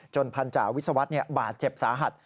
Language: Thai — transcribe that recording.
พันธาวิศวรรษบาดเจ็บสาหัส